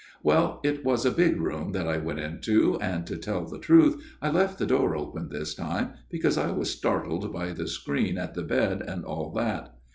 " Well, it was a big room that I went into, and, to tell the truth, I left the door open this time, because I was startled by the screen at the bed and all that.